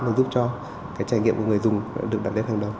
nó giúp cho cái trải nghiệm của người dùng được đặt lên hàng đầu